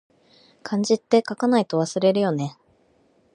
漢字って、書かないと忘れるよね